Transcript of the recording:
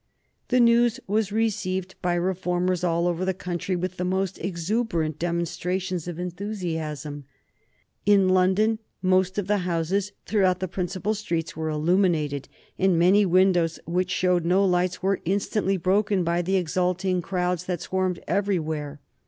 The news was received by Reformers all over the country with the most exuberant demonstrations of enthusiasm. In London most of the houses throughout the principal streets were illuminated, and many windows which showed no lights were instantly broken by the exulting crowds that swarmed everywhere.